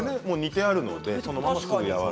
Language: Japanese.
もう煮てあるのでそのまま。